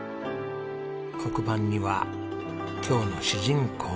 黒板には今日の主人公の顔。